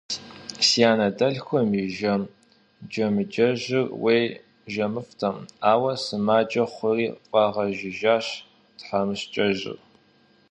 Си анэдэлъхум и жэм Джамыдэжьыр уей жэмыфӏтэм, ауэ сымаджэ хъури фӏагъэжыжащ тхьэмыщкӏэжьыр.